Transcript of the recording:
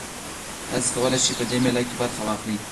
تاسي کولای شئ په دې مېله کې برخه واخلئ.